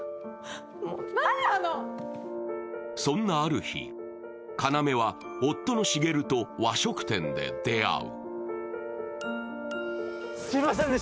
そんなある日、要は夫の滋と和食店で出会う。